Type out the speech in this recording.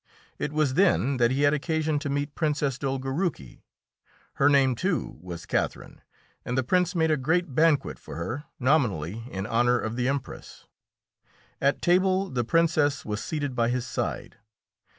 It was then that he had occasion to meet Princess Dolgoruki. Her name, too, was Catherine, and the Prince made a great banquet for her, nominally in honour of the Empress. At table the Princess was seated by his side.